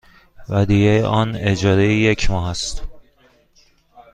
ودیعه آن اجاره یک ماه است.